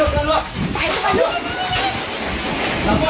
เธอออกทางไหนล่ะ